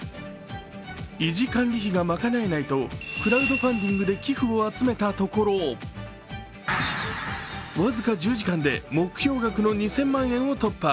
意地管理費が賄えないとクラウドファンディングで寄付を集めたところ僅か１０時間で目標額の２０００万円を突破。